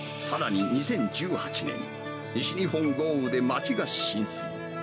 さらに２０１８年、西日本豪雨で町が浸水。